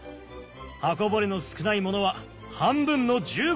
刃こぼれの少ない者は半分の１５両だ。